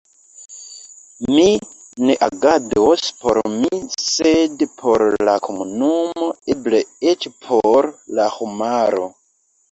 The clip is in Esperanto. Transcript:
Mi ne agados por mi, sed por la komunumo, eble eĉ por la homaro.